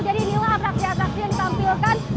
jadi inilah atraksi atraksi yang ditampilkan